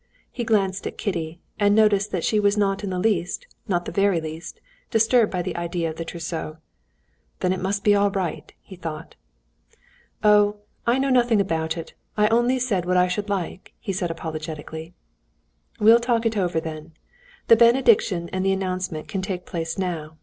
He glanced at Kitty, and noticed that she was not in the least, not in the very least, disturbed by the idea of the trousseau. "Then it must be all right," he thought. "Oh, I know nothing about it; I only said what I should like," he said apologetically. "We'll talk it over, then. The benediction and announcement can take place now.